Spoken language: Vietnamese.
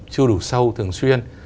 chưa đủ sâu thường xuyên